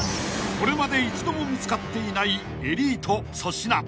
［これまで一度も見つかっていないエリート粗品］